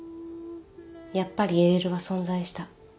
やっぱり ＬＬ は存在した